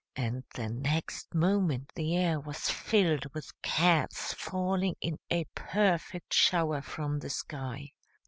and the next moment the air was filled with cats falling in a perfect shower from the sky.